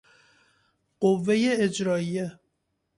قوهٔ اجرائیه